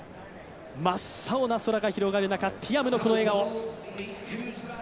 真っ青な空が広がる中、ティアムのこの笑顔。